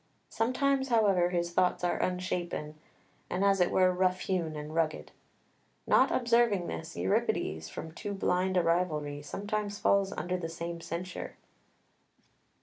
Sometimes, however, his thoughts are unshapen, and as it were rough hewn and rugged. Not observing this, Euripides, from too blind a rivalry, sometimes falls under the same censure.